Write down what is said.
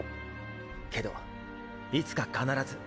けどいつか必ず。